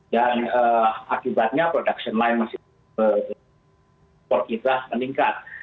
dan akibatnya production line masih meningkat